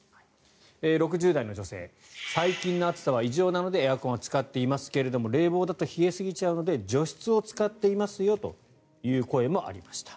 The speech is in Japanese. ６０代の女性最近の暑さは異常なのでエアコンは使っていますが冷房だと冷えすぎちゃうので除湿を使っていますよという声もありました。